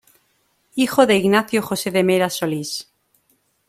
Hijo de Ignacio Jose de Meras Solis.